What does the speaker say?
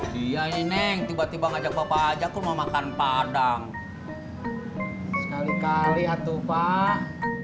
dia ini neng tiba tiba ngajak bapak aja aku mau makan padang kali kali atuh pak